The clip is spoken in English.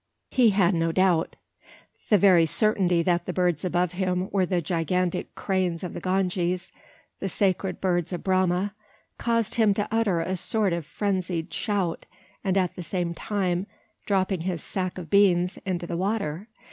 He had no doubt. The very certainty that the birds above him were the gigantic cranes of the Ganges the sacred birds of Brahma caused him to utter a sort of frenzied shout, and at the same time, dropping his "sack of beans" into the water!